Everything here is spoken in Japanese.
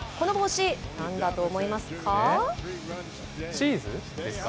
チーズですか。